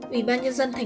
ủy ban nhân dân tp hcm